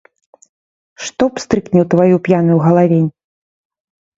Што пстрыкне ў тваю п'яную галавень.